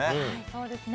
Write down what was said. そうですね。